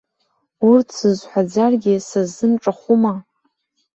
Урҭ сызҳәаӡаргьы, са сзын ҿахәума?